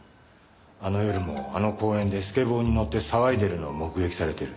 あの夜もあの公園でスケボーに乗って騒いでるのを目撃されてる。